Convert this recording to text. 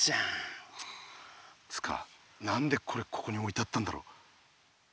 つか何でこれここにおいてあったんだろ。